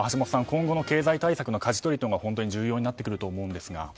今後の経済対策のかじ取りが本当に重要になってくると思いますが。